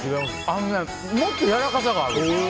あのねもっとやわらかさがある。